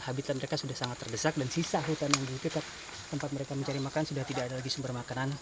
habitat mereka sudah sangat terdesak dan sisa hutan yang ditutup tempat mereka mencari makan sudah tidak ada lagi sumber makanan